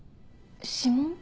指紋？